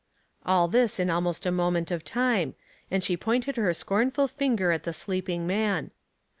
All this in almost a moment of time, and she pointed her scornful finger at the sleeping man.